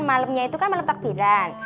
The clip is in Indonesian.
malemnya itu kan malem takbiran